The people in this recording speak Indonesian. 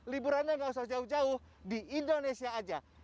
liburannya nggak usah jauh jauh di indonesia aja